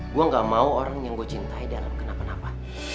gue gak mau orang yang gue cintai dalam kenapa napa